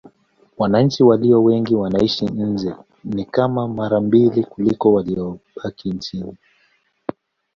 Wananchi walio wengi wanaishi nje: ni kama mara mbili kuliko waliobaki nchini.